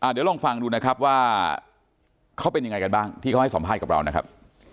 เดี๋ยวลองฟังดูนะครับว่าเขาเป็นยังไงกันบ้างที่เขาให้สัมภาษณ์กับเรานะครับ